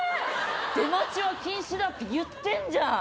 出待ちは禁止だって言ってんじゃん！